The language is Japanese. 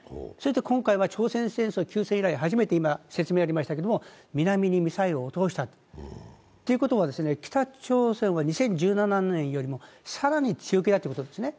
今回は朝鮮戦争休戦以来初めて南にミサイルを落としたということは、北朝鮮は２０１７年よりも更に強気だということですね。